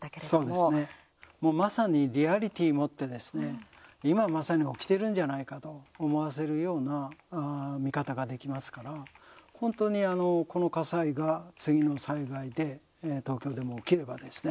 そうですね、もうまさにリアリティー持ってですね今まさに起きてるんじゃないかと思わせるような見方ができますから本当にこの火災が次の災害で東京でも起きればですね